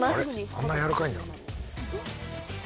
あんな柔らかいんだ。